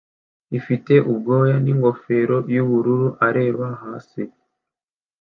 rifite ubwoya ningofero yubururu areba hasi